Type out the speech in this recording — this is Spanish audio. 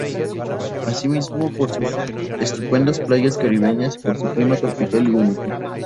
Asimismo por sus estupendas playas caribeñas y por su clima tropical y único.